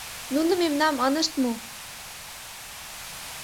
— Нуно мемнам ынышт му!